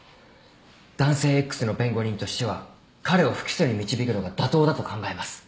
男性Ｘの弁護人としては彼を不起訴に導くのが妥当だと考えます。